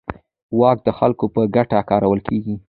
واک د خلکو په ګټه کارول کېږي.